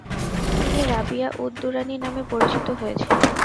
তিনি রাবিয়া উদ-দুরানি নামে পরিচিত হয়েছিলেন।